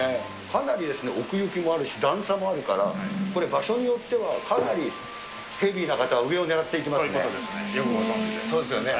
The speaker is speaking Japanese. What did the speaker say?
かなり奥行きもあるし、段差もあるから、これ、場所によってはかなりヘビーな方は上を狙っていきますね。